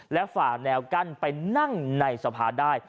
และฝ่าแนวกั้นไปนั่งในสภาได้